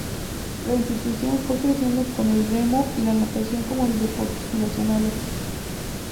La institución fue creciendo con el remo y la natación como sus deportes fundacionales.